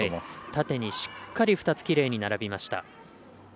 縦にしっかり２つきれいに並びました。